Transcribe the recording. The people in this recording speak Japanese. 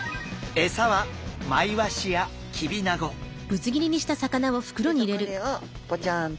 えっとこれをポチャンと。